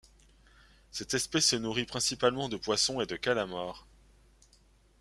Cette espèce se nourrit principalement de poissons et de calamars.